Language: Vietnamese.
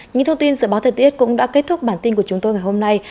những thông tin dự báo thời tiết cũng đã kết thúc bản tin của chúng tôi ngày hôm nay